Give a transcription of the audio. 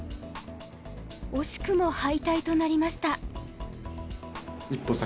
惜しくも敗退となりました。